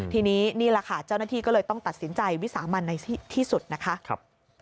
ทีนี้นี่แหละค่ะเจ้าหน้าที่ก็เลยต้องตัดสินใจวิสามันในที่สุดนะคะ